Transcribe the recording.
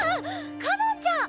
かのんちゃん！